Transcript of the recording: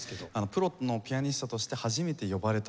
プロのピアニストとして初めて呼ばれた回。